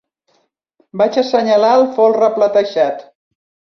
Vaig assenyalar el folre platejat.